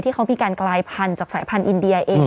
เขามีการกลายพันธุ์จากสายพันธุ์อินเดียเอง